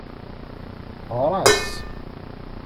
Ɣer-as.